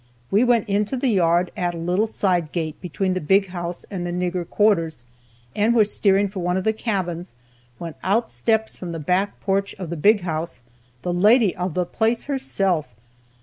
We went into the yard at a little side gate between the big house and the nigger quarters, and were steering for one of the cabins, when out steps from the back porch of the big house the lady of the place herself.